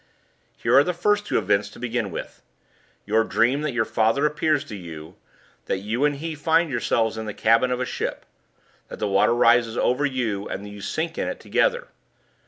Here are the first two events to begin with. You dream that your father appears to you that you and he find yourselves in the cabin of a ship that the water rises over you, and that you sink in it together.